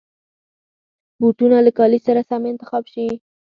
بوټونه له کالي سره سم انتخاب شي.